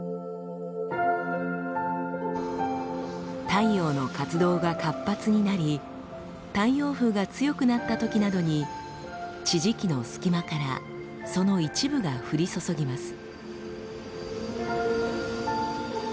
太陽の活動が活発になり太陽風が強くなったときなどに地磁気の隙間からその一部が降り注ぎます。